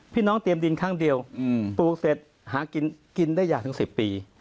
น้องเตรียมดินครั้งเดียวปลูกเสร็จหากินได้อย่างถึง๑๐ปี